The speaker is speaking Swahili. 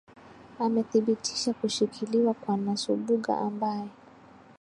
amethibitisha kushikiliwa kwa nasubuga ambaye